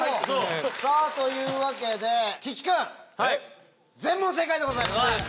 というわけで岸君全問正解でございます。